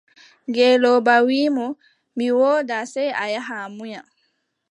Ngeelooba wii mo: mi woodaa, sey a yaha a munya.